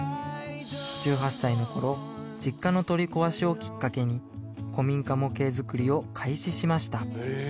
１８歳のころ実家の取り壊しをきっかけに古民家模型作りを開始しました